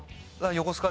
「横須賀？